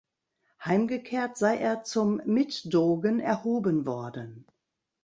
Heimgekehrt sei er zum Mitdogen erhoben worden.